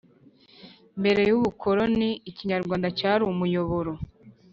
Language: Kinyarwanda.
Mbere y’ubukoroni, Ikinyarwanda cyari umuyoboro